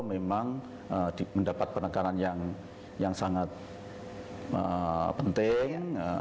memang mendapat penekanan yang sangat penting